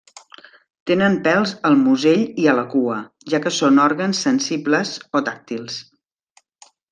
Tenen pèls al musell i a la cua, ja que són òrgans sensibles o tàctils.